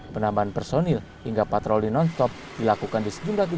penambahan personil hingga patroli non stop dilakukan di sejumlah kubur